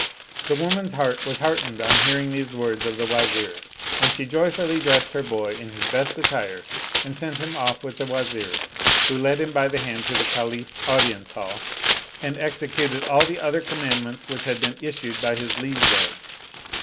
The woman's heart was heartened on hearing these words of the Wazir and she joyfully dressed her boy in his best attire and sent him off with the Wazir, who led him by the hand to the Caliph's audience hall and executed all the other commandments which had been issued by his liege lord.